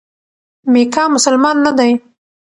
میکا مسلمان نه دی.